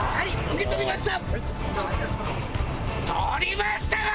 やりました！